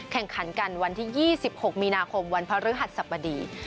แข่งขันกันวันที่๒๖มีนาคมวันพระฤหัสสบดี